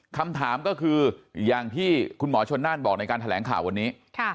คำถามก็คืออย่างที่คุณหมอชนน่านบอกในการแถลงข่าววันนี้